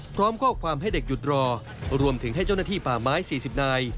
พร้อมข้อความให้เด็กหยุดรอรวมถึงให้เจ้าหน้าที่ป่าไม้๔๐นาย